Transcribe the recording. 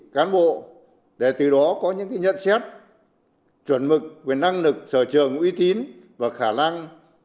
cán bộ để từ đó có những nhận xét chuẩn mực về năng lực sở trường uy tín và khả năng